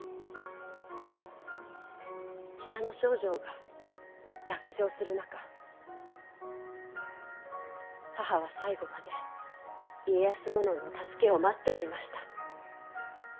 北ノ庄城が落城する中母は最後まで家康殿の助けを待っておりました。